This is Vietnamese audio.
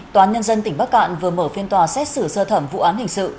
toán nhân dân tỉnh bắc cạn vừa mở phiên tòa xét xử sơ thẩm vụ án hình sự